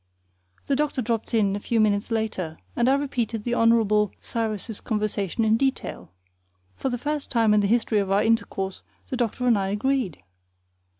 The doctor dropped in a few minutes later, and I repeated the Hon. Cyrus's conversation in detail. For the first time in the history of our intercourse the doctor and I agreed.